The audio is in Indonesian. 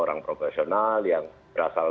orang profesional yang berasal